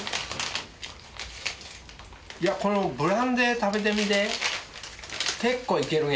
いやこのブランデー食べてみて。